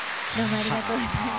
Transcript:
ありがとうございます。